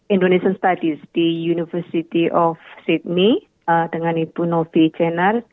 indonesian studies di university of sydney dengan ibu novi jenner